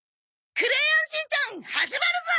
『クレヨンしんちゃん』始まるぞ。